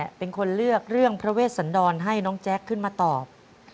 เป็นคนเลือกเรื่องพระเวชสันดรให้น้องแจ๊คขึ้นมาตอบ